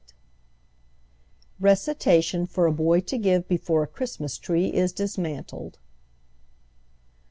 = (Recitation for a boy to give before a Christmas tree is dismantled.)